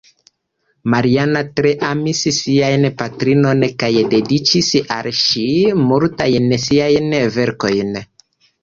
Marina tre amis sian patrinon kaj dediĉis al ŝi multajn siajn verkojn.